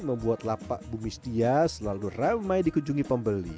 membuat lapak bumustia selalu ramai dikunjungi pembeli